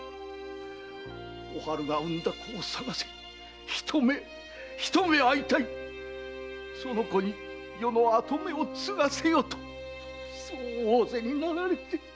「おはるが産んだ子を捜せ一目会いたいその子に余の跡目を継がせよ」と仰せられて。